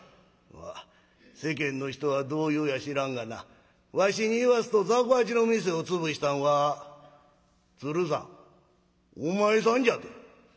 「まあ世間の人はどう言うや知らんがなわしに言わすと雑穀八の店を潰したんは鶴さんお前さんじゃて」。